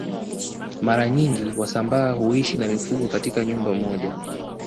Mara nyingi wasambaa huishi na mifugo katika nyumba moja